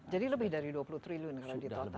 jadi lebih dari dua puluh triliun kalau di total